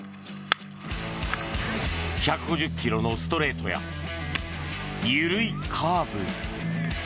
１５０ｋｍのストレートや緩いカーブ。